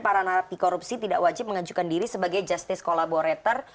para narapi korupsi tidak wajib mengajukan diri sebagai justice collaborator